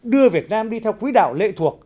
đưa việt nam đi theo quý đạo lệ thuộc